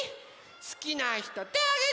すきなひとてあげて！